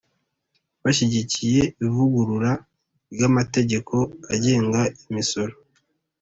bashyigikiye ivugurura ry'amategeko agenga imisoro